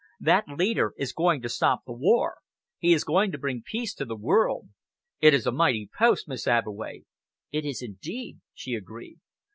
That leader is going to stop the war. He is going to bring peace to the world. It is a mighty post, Miss Abbeway." "It is indeed," she agreed.